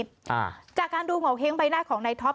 ค่ะจากการดูเงาเย้งใบหน้าของในท็อป